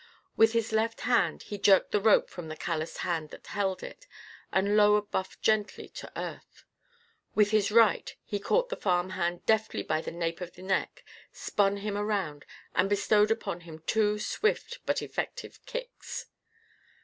With his left hand he jerked the rope from the calloused hand that held it, and lowered Buff gently to earth. With his right he caught the farm hand deftly by the nape of the neck, spun him around, and bestowed upon him two swift but effective kicks.